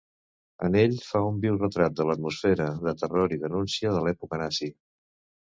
En ell fa un viu retrat de l'atmosfera de terror i denúncia de l'època nazi.